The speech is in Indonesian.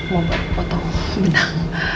mau buat potong benang